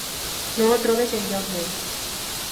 No ho trobes enlloc més.